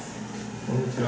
こんにちは。